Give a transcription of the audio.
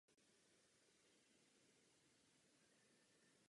Hovoříme o stabilitě.